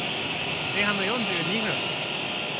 前半の４２分。